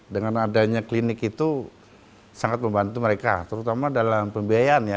dengan adanya klinik itu sangat membantu mereka terutama dalam pembiayaan ya